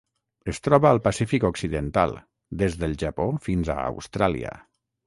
Es troba al Pacífic occidental: des del Japó fins a Austràlia.